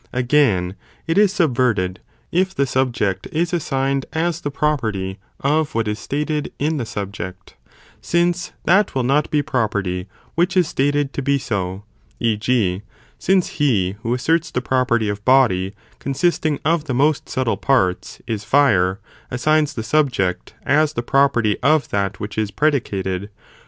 § AF thous Again, it is subverted, if the subject is assigned ject is assigned as the property of what is stated in the subject, asthe property: since that will not be property which is stated to be so ; e. g. since he who asserts the property of body, consist ing of the most subtle parts, is fire, assigns the subject! as the property of that which is predicated